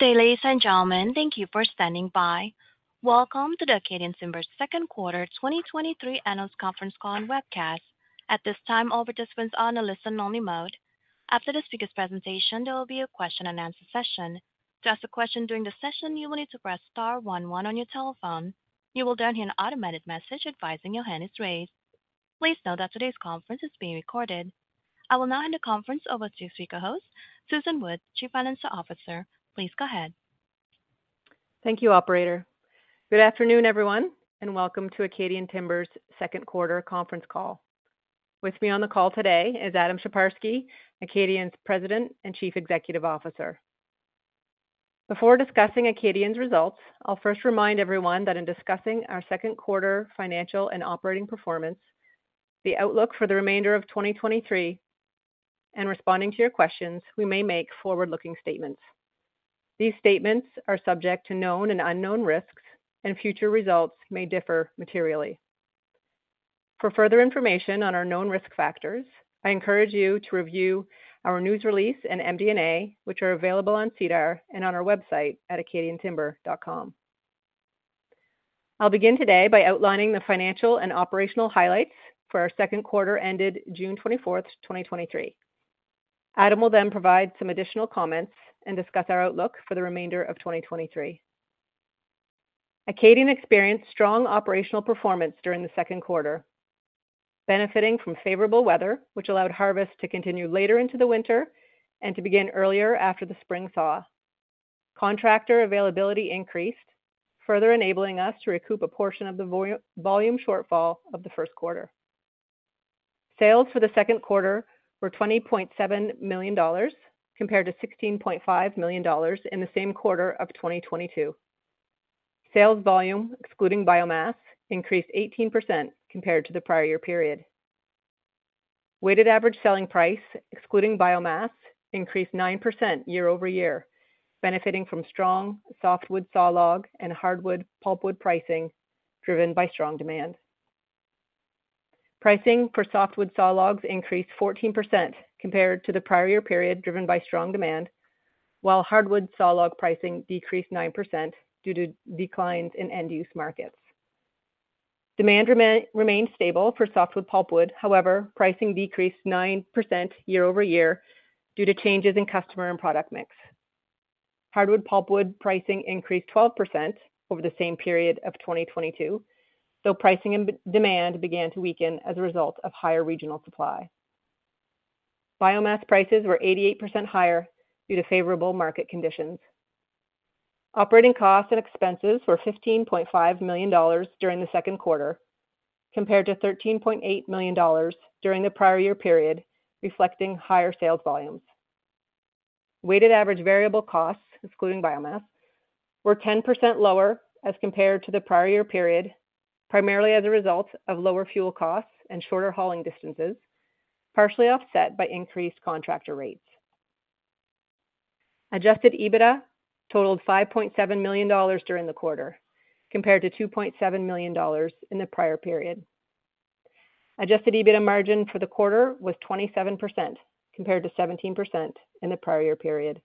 Good day, ladies and gentlemen. Thank you for standing by. Welcome to the Acadian Timber's Q2 2023 Analyst Conference Call and Webcast. At this time, all participants are on a listen-only mode. After the speaker's presentation, there will be a question-and-answer session. To ask a question during the session, you will need to press star one one on your telephone. You will then hear an automated message advising your hand is raised. Please note that today's conference is being recorded. I will now hand the conference over to co-host, Susan Wood, Chief Financial Officer. Please go ahead. Thank you, operator. Good afternoon, everyone, welcome to Acadian Timber's Q2 Conference Call. With me on the call today is Adam Sheparski, Acadian's President and Chief Executive Officer. Before discussing Acadian's results, I'll first remind everyone that in discussing our Q2 financial and operating performance, the outlook for the remainder of 2023, and responding to your questions, we may make forward-looking statements. These statements are subject to known and unknown risks, future results may differ materially. For further information on our known risk factors, I encourage you to review our news release and MD&A, which are available on SEDAR and on our website at acadiantimber.com. I'll begin today by outlining the financial and operational highlights for our Q2 ended June 24th, 2023. Adam will provide some additional comments and discuss our outlook for the remainder of 2023. Acadian experienced strong operational performance during the Q2, benefiting from favorable weather, which allowed harvest to continue later into the winter and to begin earlier after the spring thaw. Contractor availability increased, further enabling us to recoup a portion of the volume shortfall of the Q1. Sales for the Q2 were $20.7 million, compared to $16.5 million in the same quarter of 2022. Sales volume, excluding biomass, increased 18% compared to the prior year period. Weighted average selling price, excluding biomass, increased 9% year-over-year, benefiting from strong softwood sawlog and hardwood pulpwood pricing, driven by strong demand. Pricing for softwood sawlogs increased 14% compared to the prior year period, driven by strong demand, while hardwood sawlog pricing decreased 9% due to declines in end-use markets. Demand remained stable for softwood pulpwood, however, pricing decreased 9% year-over-year due to changes in customer and product mix. Hardwood pulpwood pricing increased 12% over the same period of 2022, though pricing and demand began to weaken as a result of higher regional supply. Biomass prices were 88% higher due to favorable market conditions. Operating costs and expenses were 15.5 million dollars during the Q2, compared to 13.8 million dollars during the prior year period, reflecting higher sales volumes. Weighted average variable costs, excluding biomass, were 10% lower as compared to the prior year period, primarily as a result of lower fuel costs and shorter hauling distances, partially offset by increased contractor rates. Adjusted EBITDA totaled 5.7 million dollars during the quarter, compared to 2.7 million dollars in the prior period. Adjusted EBITDA margin for the quarter was 27%, compared to 17% in the prior year period.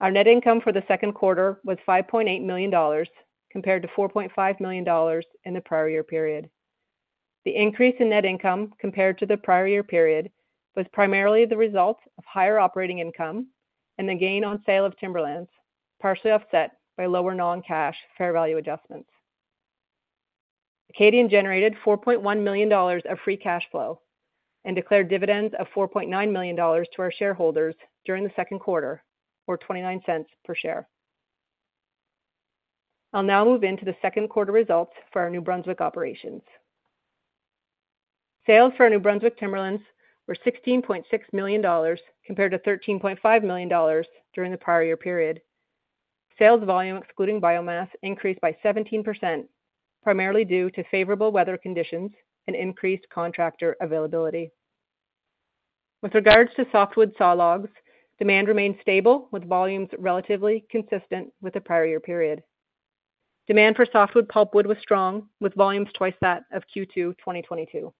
Our net income for the Q2 was 5.8 million dollars, compared to 4.5 million dollars in the prior year period. The increase in net income compared to the prior year period, was primarily the result of higher operating income and the gain on sale of timberlands, partially offset by lower non-cash fair value adjustments. Acadian generated 4.1 million dollars of free cash flow and declared dividends of 4.9 million dollars to our shareholders during the Q2, or 0.29 per share. I'll now move into the Q2 results for our New Brunswick operations. Sales for our New Brunswick timberlands were 16.6 million dollars, compared to 13.5 million dollars during the prior year period. Sales volume, excluding biomass, increased by 17%, primarily due to favorable weather conditions and increased contractor availability. With regards to softwood sawlogs, demand remained stable, with volumes relatively consistent with the prior year period. Demand for softwood pulpwood was strong, with volumes twice that of Q2 2022.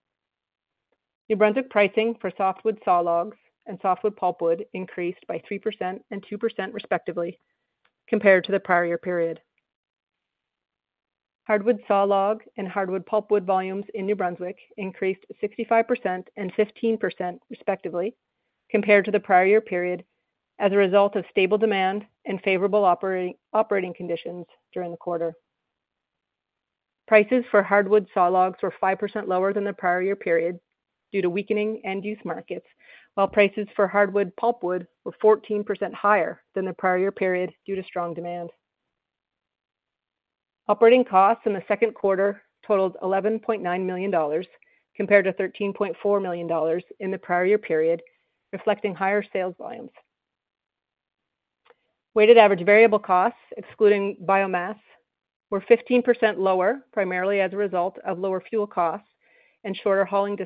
New Brunswick pricing for softwood sawlogs and softwood pulpwood increased by 3% and 2%, respectively, compared to the prior year period. Hardwood sawlog and hardwood pulpwood volumes in New Brunswick increased 65% and 15%, respectively, compared to the prior year period, as a result of stable demand and favorable operating conditions during the quarter. Prices for hardwood sawlogs were 5% lower than the prior year period due to weakening end-use markets, while prices for hardwood pulpwood were 14% higher than the prior period due to strong demand. Operating costs in the Q2 totaled $11.9 million, compared to $13.4 million in the prior year period, reflecting higher sales volumes. Weighted average variable costs, excluding biomass, were 15% lower, primarily as a result of lower fuel costs and shorter hauling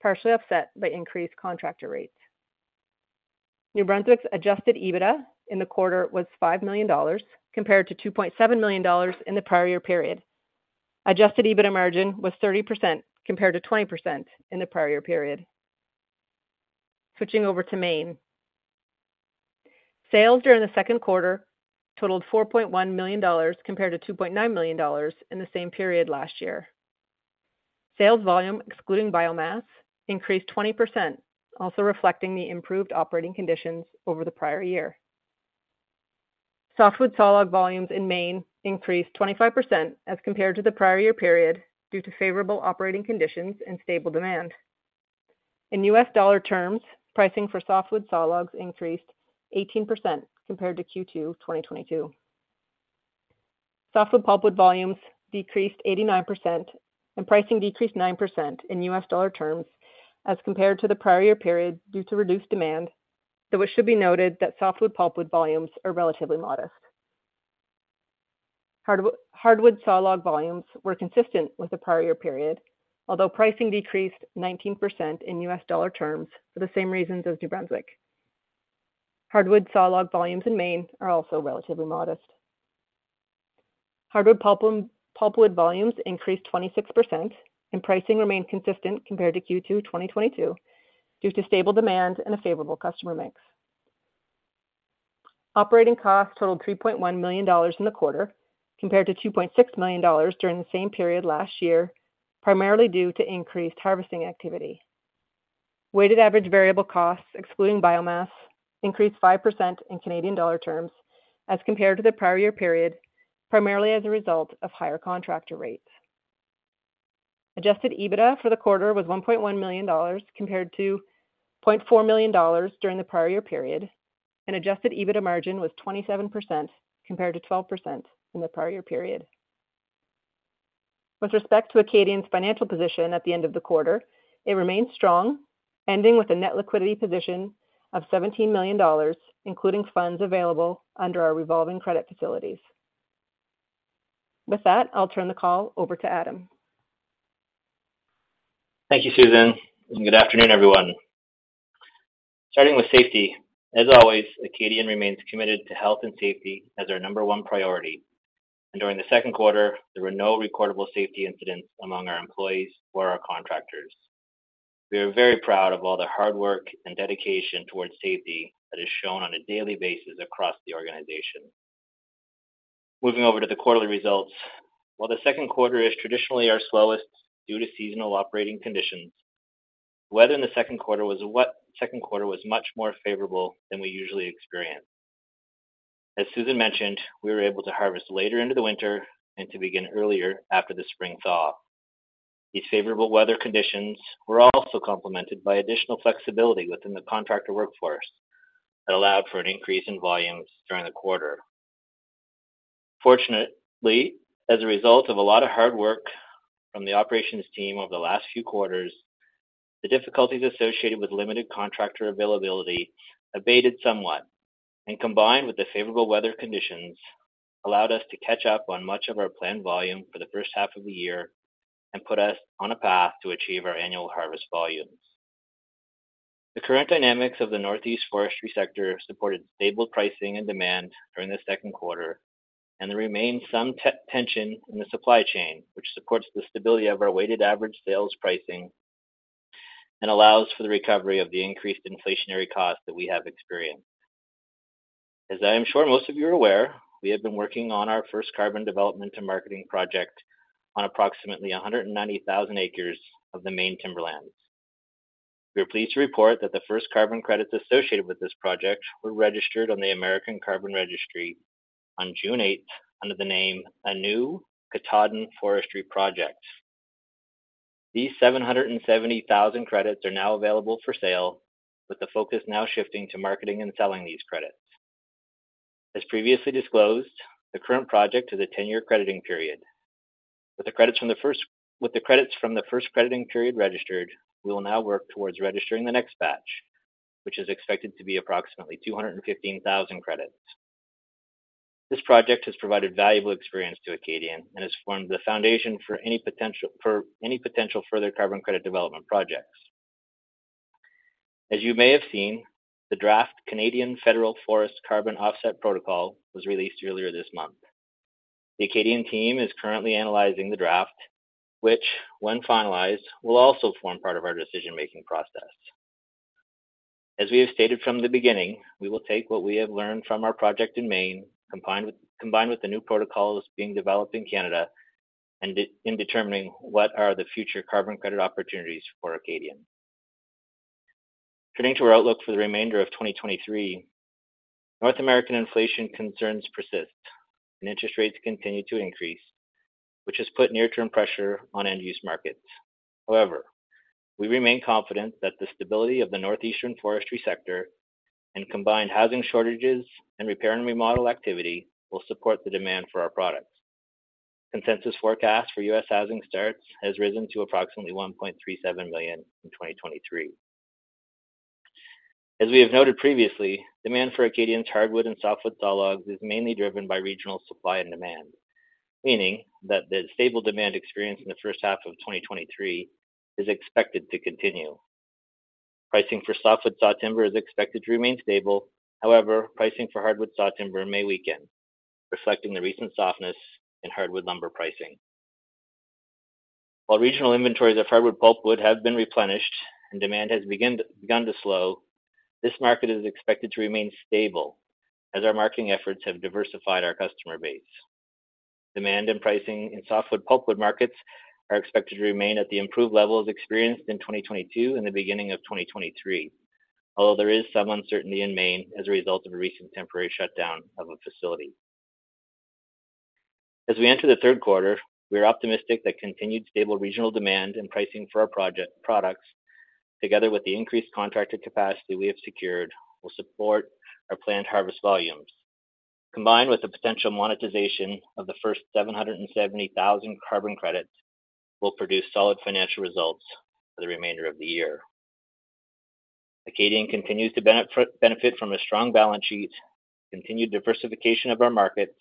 distances, partially offset by increased contractor rates. New Brunswick's Adjusted EBITDA in the quarter was $5 million, compared to $2.7 million in the prior year period. Adjusted EBITDA margin was 30% compared to 20% in the prior period. Switching over to Maine. Sales during the Q2 totaled $4.1 million, compared to $2.9 million in the same period last year. Sales volume, excluding biomass, increased 20%, also reflecting the improved operating conditions over the prior year. Softwood sawlog volumes in Maine increased 25% as compared to the prior year period, due to favorable operating conditions and stable demand. In U.S. dollar terms, pricing for softwood sawlogs increased 18% compared to Q2 2022. Softwood pulpwood volumes decreased 89%, and pricing decreased 9% in U.S. dollar terms as compared to the prior year period due to reduced demand, though it should be noted that softwood pulpwood volumes are relatively modest. Hardwood sawlog volumes were consistent with the prior year period, although pricing decreased 19% in U.S. dollar terms for the same reasons as New Brunswick. Hardwood sawlog volumes in Maine are also relatively modest. Hardwood pulpwood volumes increased 26%, and pricing remained consistent compared to Q2 2022, due to stable demand and a favorable customer mix. Operating costs totaled 3.1 million dollars in the quarter, compared to 2.6 million dollars during the same period last year, primarily due to increased harvesting activity. Weighted average variable costs, excluding biomass, increased 5% in Canadian dollar terms as compared to the prior year period, primarily as a result of higher contractor rates. Adjusted EBITDA for the quarter was 1.1 million dollars, compared to 0.4 million dollars during the prior year period, and Adjusted EBITDA margin was 27%, compared to 12% in the prior year period. With respect to Acadian's financial position at the end of the quarter, it remained strong, ending with a net liquidity position of 17 million dollars, including funds available under our revolving credit facilities. I'll turn the call over to Adam. Thank you, Susan. Good afternoon, everyone. Starting with safety, as always, Acadian remains committed to health and safety as our number one priority, and during the Q2, there were no recordable safety incidents among our employees or our contractors. We are very proud of all the hard work and dedication towards safety that is shown on a daily basis across the organization. Moving over to the quarterly results, while the Q2 is traditionally our slowest due to seasonal operating conditions, weather in the Q2 was much more favorable than we usually experience. As Susan mentioned, we were able to harvest later into the winter and to begin earlier after the spring thaw. These favorable weather conditions were also complemented by additional flexibility within the contractor workforce that allowed for an increase in volumes during the quarter. Fortunately, as a result of a lot of hard work from the operations team over the last few quarters, the difficulties associated with limited contractor availability abated somewhat, and combined with the favorable weather conditions, allowed us to catch up on much of our planned volume for the first half of the year and put us on a path to achieve our annual harvest volumes. The current dynamics of the Northeast forestry sector supported stable pricing and demand during the Q2, and there remains some tension in the supply chain, which supports the stability of our weighted average sales pricing and allows for the recovery of the increased inflationary costs that we have experienced. As I am sure most of you are aware, we have been working on our first carbon development and marketing project on approximately 190,000 acres of the Maine timberlands. We are pleased to report that the first carbon credits associated with this project were registered on the American Carbon Registry on June 8th, under the name Anew- Katahdin Forestry Project. These 770,000 credits are now available for sale, with the focus now shifting to marketing and selling these credits. As previously disclosed, the current project has a 10-year crediting period. With the credits from the first crediting period registered, we will now work towards registering the next batch, which is expected to be approximately 215,000 credits. This project has provided valuable experience to Acadian and has formed the foundation for any potential further carbon credit development projects. As you may have seen, the draft Canadian Federal Forest Carbon Offset Protocol was released earlier this month. The Acadian team is currently analyzing the draft, which, when finalized, will also form part of our decision-making process. As we have stated from the beginning, we will take what we have learned from our project in Maine, combined with the new protocols being developed in Canada, in determining what are the future carbon credit opportunities for Acadian. Turning to our outlook for the remainder of 2023, North American inflation concerns persist and interest rates continue to increase, which has put near-term pressure on end-use markets. However, we remain confident that the stability of the Northeastern forestry sector and combined housing shortages and repair and remodel activity will support the demand for our products. Consensus forecast for U.S. housing starts has risen to approximately 1.37 million in 2023. As we have noted previously, demand for Acadian's hardwood and softwood sawlogs is mainly driven by regional supply and demand, meaning that the stable demand experience in the first half of 2023 is expected to continue. Pricing for softwood saw timber is expected to remain stable. However, pricing for hardwood saw timber may weaken, reflecting the recent softness in hardwood lumber pricing. While regional inventories of hardwood pulpwood have been replenished and demand has begun to slow, this market is expected to remain stable as our marketing efforts have diversified our customer base. Demand and pricing in softwood pulpwood markets are expected to remain at the improved levels experienced in 2022 and the beginning of 2023, although there is some uncertainty in Maine as a result of a recent temporary shutdown of a facility. As we enter the Q3, we are optimistic that continued stable regional demand and pricing for our project, products, together with the increased contracted capacity we have secured, will support our planned harvest volumes. Combined with the potential monetization of the first 770,000 carbon credits, will produce solid financial results for the remainder of the year. Acadian continues to benefit from a strong balance sheet, continued diversification of our markets,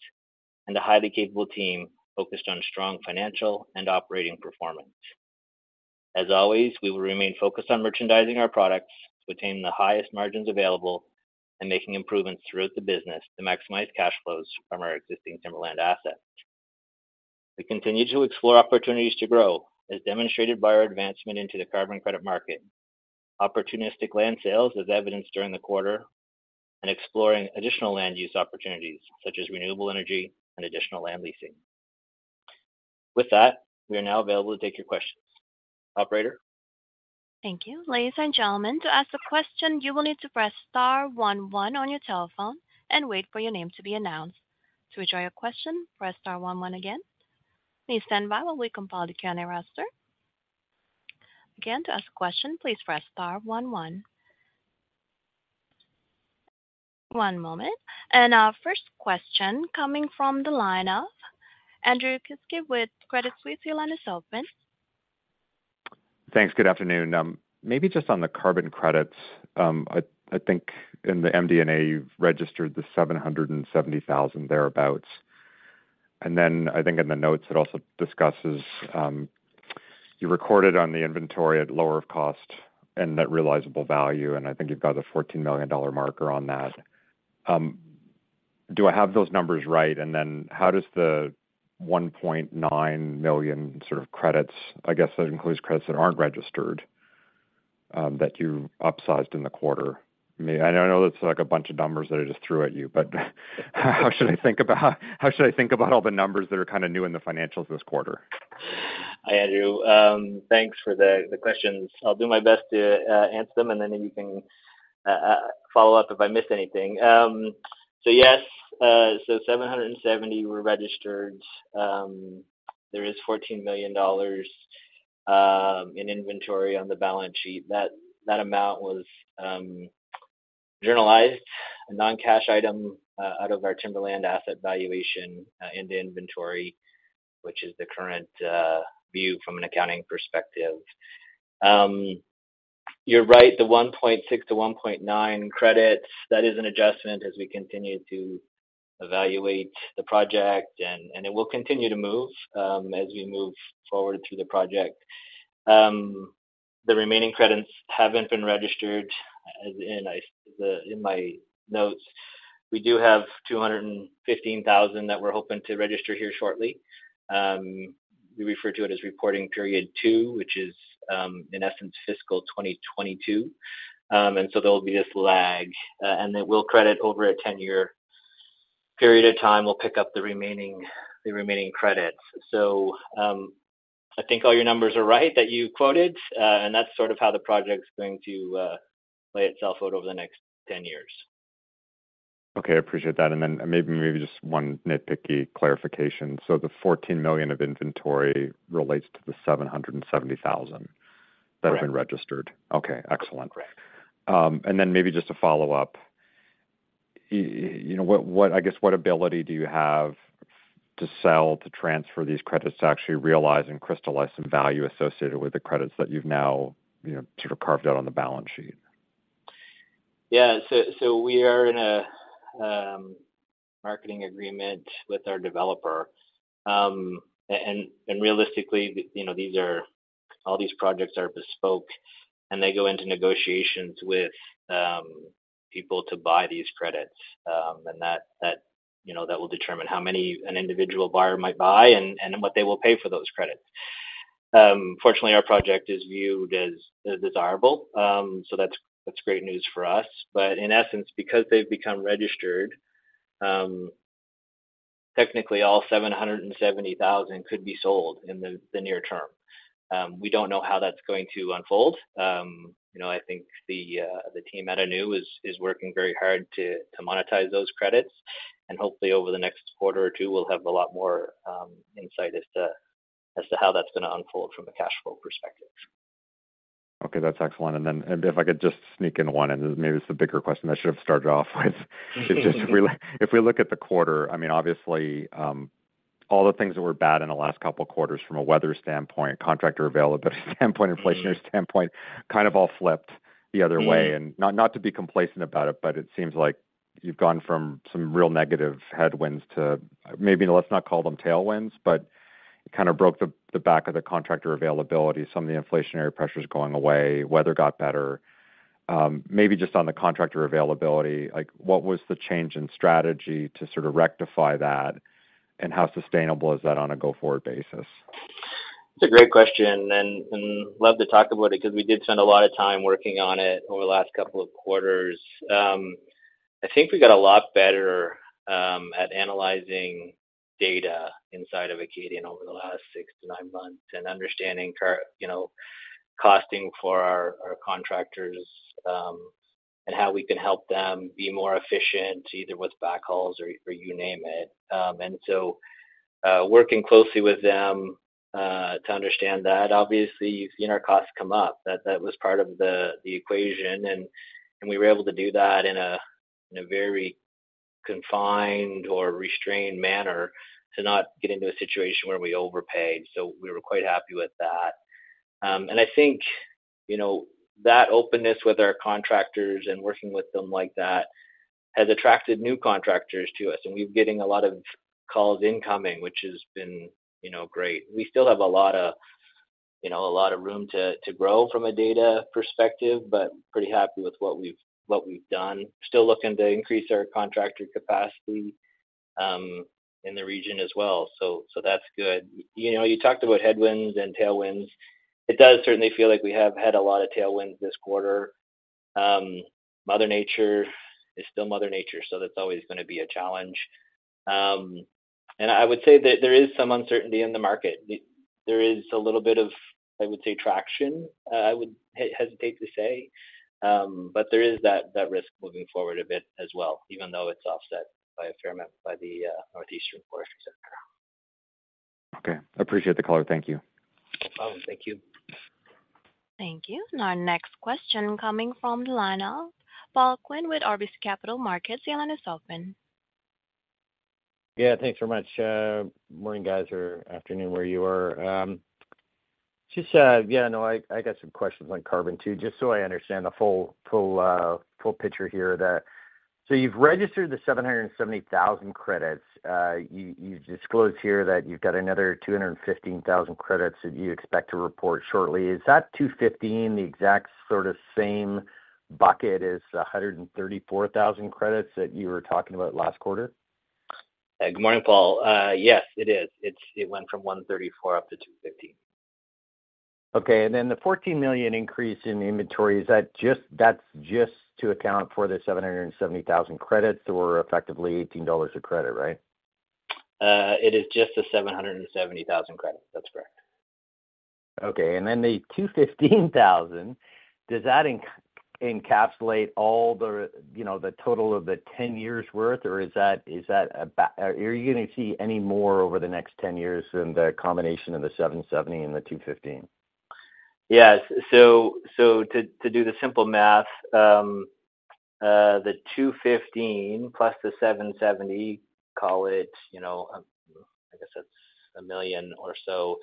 and a highly capable team focused on strong financial and operating performance. As always, we will remain focused on merchandising our products to attain the highest margins available and making improvements throughout the business to maximize cash flows from our existing timberland assets. We continue to explore opportunities to grow, as demonstrated by our advancement into the carbon credit market, opportunistic land sales as evidenced during the quarter, and exploring additional land use opportunities such as renewable energy and additional land leasing. With that, we are now available to take your questions. Operator? Thank you. Ladies and gentlemen, to ask a question, you will need to press star one one on your telephone and wait for your name to be announced. To withdraw your question, press star one one again. Please stand by while we compile the current roster. Again, to ask a question, please press star one one. One moment. Our first question coming from the line of Andrew Kuske with Credit Suisse. Your line is open. Thanks. Good afternoon. Maybe just on the carbon credits, I think in the MD&A, you've registered the 770,000 thereabouts. I think in the notes it also discusses, you recorded on the inventory at lower cost and net realizable value, and I think you've got a $14 million marker on that. Do I have those numbers right? How does the $1.9 million sort of credits, I guess that includes credits that aren't registered, that you upsized in the quarter? I know that's like a bunch of numbers that I just threw at you, but how should I think about all the numbers that are kind of new in the financials this quarter? Hi, Andrew. Thanks for the questions. I'll do my best to answer them. You can follow up if I miss anything. Yes, 770 were registered. There is $14 million in inventory on the balance sheet. That amount was journalized, a non-cash item, out of our timberland asset valuation, into inventory, which is the current view from an accounting perspective. You're right, the 1.6-1.9 credits, that is an adjustment as we continue to evaluate the project and it will continue to move as we move forward through the project. The remaining credits haven't been registered. In my notes, we do have 215,000 that we're hoping to register here shortly. We refer to it as reporting period 2, which is, in essence, fiscal 2022. There will be this lag, and it will credit over a 10-year period of time. We'll pick up the remaining credits. I think all your numbers are right, that you quoted, and that's sort of how the project's going to play itself out over the next 10 years. Okay, I appreciate that. Maybe just one nitpicky clarification. The 14 million of inventory relates to the 770,000... Correct. That have been registered. Okay, excellent. Right. Then maybe just a follow-up. you know, what, what, I guess, what ability do you have to sell, to transfer these credits to actually realize and crystallize some value associated with the credits that you've now, you know, sort of carved out on the balance sheet? We are in a marketing agreement with our developer. realistically, you know, all these projects are bespoke, and they go into negotiations with people to buy these credits. that, you know, that will determine how many an individual buyer might buy and what they will pay for those credits. Fortunately, our project is viewed as desirable, so that's great news for us. In essence, because they've become registered, technically all 770,000 could be sold in the near term. We don't know how that's going to unfold. You know, I think the team at Anew is working very hard to monetize those credits, and hopefully over the next quarter or 2, we'll have a lot more insight as to how that's gonna unfold from a cash flow perspective. Okay, that's excellent. If I could just sneak in one, and maybe this is a bigger question I should have started off with. If we look at the quarter, I mean, obviously, all the things that were bad in the last couple of quarters from a weather standpoint, contractor availability standpoint, inflation standpoint, kind of all flipped the other way. Mm-hmm. Not, not to be complacent about it, but it seems like you've gone from some real negative headwinds to maybe, let's not call them tailwinds, but... It kind of broke the back of the contractor availability, some of the inflationary pressures going away, weather got better. Maybe just on the contractor availability, like, what was the change in strategy to sort of rectify that? How sustainable is that on a go-forward basis? It's a great question, and love to talk about it because we did spend a lot of time working on it over the last couple of quarters. I think we got a lot better at analyzing data inside of Acadian over the last 6 to 9 months and understanding, you know, costing for our contractors, and how we can help them be more efficient, either with backhauls or you name it. Working closely with them to understand that, obviously, you've seen our costs come up. That was part of the equation, and we were able to do that in a very confined or restrained manner to not get into a situation where we overpaid, so we were quite happy with that. I think, you know, that openness with our contractors and working with them like that has attracted new contractors to us, and we're getting a lot of calls incoming, which has been, you know, great. We still have a lot of, you know, a lot of room to grow from a data perspective, but pretty happy with what we've, what we've done. Still looking to increase our contractor capacity in the region as well, so that's good. You know, you talked about headwinds and tailwinds. It does certainly feel like we have had a lot of tailwinds this quarter. Mother Nature is still Mother Nature, so that's always gonna be a challenge. I would say that there is some uncertainty in the market. There is a little bit of, I would say, traction, I would hesitate to say. There is that, that risk moving forward a bit as well, even though it's offset by a fair amount by the Northeastern forestry sector. Okay. I appreciate the color. Thank you. No problem. Thank you. Thank you. Our next question coming from the line of Paul Quinn with RBC Capital Markets. The line is open. Thanks very much. Morning, guys, or afternoon, where you are. Just, yeah, no, I got some questions on carbon, too. Just so I understand the full, full picture here that. You've registered the 770,000 credits. You disclosed here that you've got another 215,000 credits that you expect to report shortly. Is that 215 the exact sort of same bucket as the 134,000 credits that you were talking about last quarter? Good morning, Paul. Yes, it is. It went from 134 up to 215. Okay, then the 14 million increase in inventory, is that just, that's just to account for the 770,000 credits or effectively 18 dollars a credit, right? It is just the 770,000 credits. That's correct. The 215,000, does that encapsulate all the, you know, the total of the 10 years worth, or is that, Are you gonna see any more over the next 10 years than the combination of the 770,000 and the 215,000? Yes. To do the simple math, the 215 plus the 770, call it, you know, I guess that's a million or so.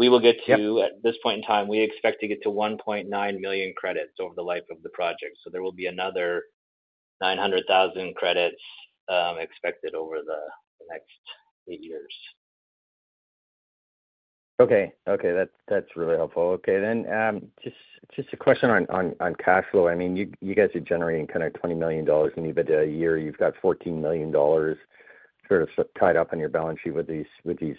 Yep. At this point in time, we expect to get to 1.9 million credits over the life of the project. There will be another 900,000 credits expected over the next 8 years. Okay. Okay, that's, that's really helpful. Okay, just a question on cash flow. I mean, you guys are generating kind of $20 million in EBITDA a year. You've got $14 million sort of tied up on your balance sheet with these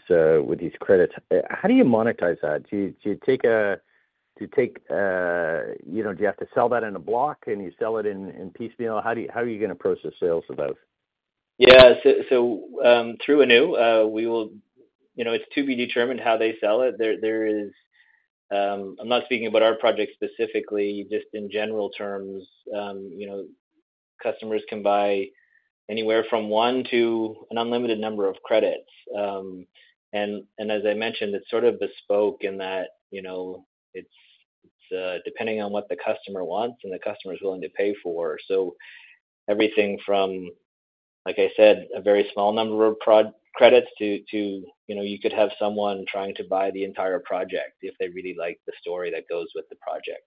credits. How do you monetize that? You know, do you have to sell that in a block, and you sell it in piecemeal? How are you gonna approach the sales of those? Through Anew, you know, it's to be determined how they sell it. There is, I'm not speaking about our project specifically, just in general terms, you know, customers can buy anywhere from one to an unlimited number of credits. As I mentioned, it's sort of bespoke in that, you know, it's depending on what the customer wants and the customer is willing to pay for. Everything from, like I said, a very small number of credits to, you know, you could have someone trying to buy the entire project if they really like the story that goes with the project.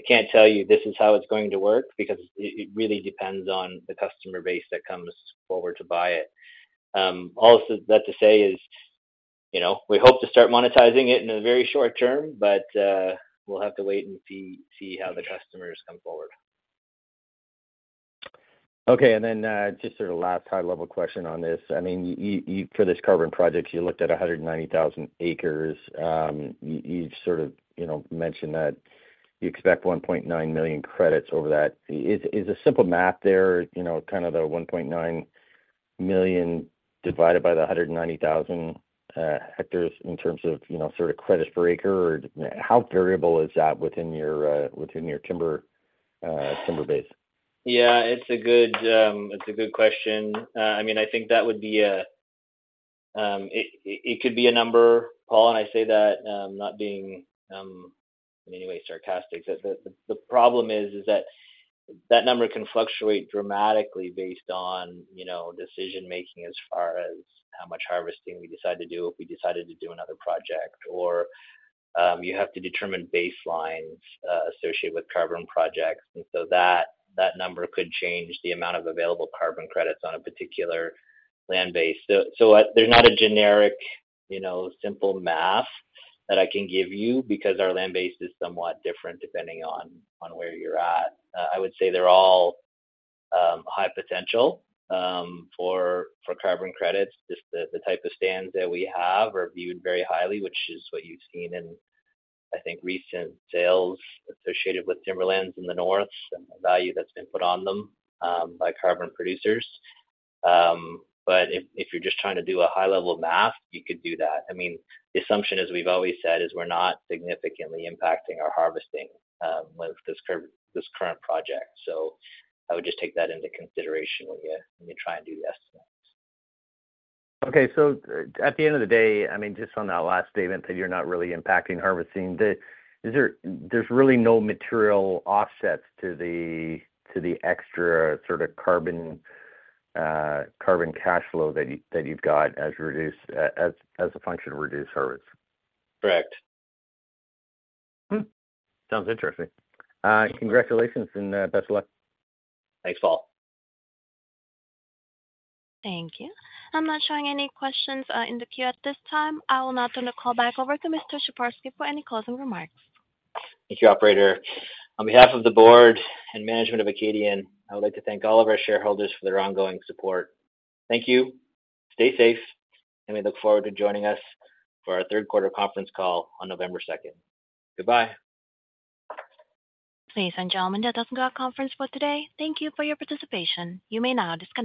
I can't tell you, "This is how it's going to work," because it really depends on the customer base that comes forward to buy it. All that to say is, you know, we hope to start monetizing it in the very short term, but we'll have to wait and see how the customers come forward. Okay, just sort of last high-level question on this. I mean, you, for this carbon project, you looked at 190,000 acres. You sort of, you know, mentioned that you expect 1.9 million credits over that. Is a simple math there, you know, kind of the 1.9 million divided by the 190,000 hectares in terms of, you know, sort of credits per acre, or how variable is that within your timber base? Yeah, it's a good, it's a good question. I mean, I think that would be a, it could be a number, Paul, and I say that not being in any way sarcastic. The problem is that that number can fluctuate dramatically based on, you know, decision-making as far as how much harvesting we decide to do if we decided to do another project or you have to determine baselines associated with carbon projects. That, that number could change the amount of available carbon credits on a particular land base. There's not a generic, you know, simple math that I can give you because our land base is somewhat different depending on where you're at. I would say they're all high potential for carbon credits. Just the type of stands that we have are viewed very highly, which is what you've seen in, I think, recent sales associated with Timberlands in the north and the value that's been put on them by carbon producers. If you're just trying to do a high level of math, you could do that. I mean, the assumption, as we've always said, is we're not significantly impacting our harvesting with this current project. I would just take that into consideration when you try and do the estimates. At the end of the day, I mean, just on that last statement, that you're not really impacting harvesting, there's really no material offsets to the extra sort of carbon, carbon cash flow that you, that you've got as reduced, as a function of reduced harvest? Correct. Sounds interesting. Congratulations and best of luck. Thanks, Paul. Thank you. I'm not showing any questions in the queue at this time. I will now turn the call back over to Mr. Sheparski for any closing remarks. Thank you, operator. On behalf of the Board and Management of Acadian, I would like to thank all of our shareholders for their ongoing support. Thank you, stay safe, and we look forward to joining us for our Q3 Conference Call on November 2nd. Goodbye. Ladies and gentlemen, that does end our conference for today. Thank you for your participation. You may now disconnect.